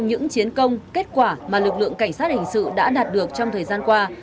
những chiến công kết quả mà lực lượng cảnh sát hình sự đã đạt được trong thời gian qua